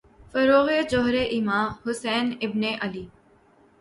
فروغِ جوہرِ ایماں، حسین ابنِ علی